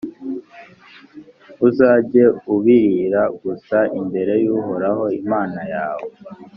uzajye ubirira gusa imbere y’uhoraho imana yawe,